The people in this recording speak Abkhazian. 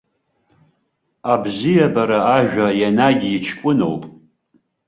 Абзиабара ажәа енагь иҷкәыноуп.